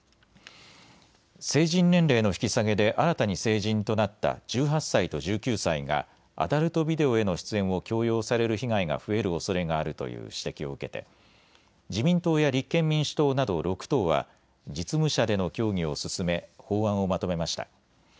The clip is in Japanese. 成人年齢の引き下げで新たに成人となった１８歳と１９歳がアダルトビデオへの出演を強要される被害が増えるおそれがあるという指摘を受けて自民党や立憲民主党など６党は実務者での協議を進め法案をまとめました。